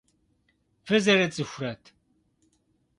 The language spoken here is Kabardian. Фызэрыцӏыхурэт?